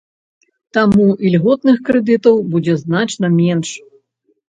Таму ільготных крэдытаў будзе значна менш.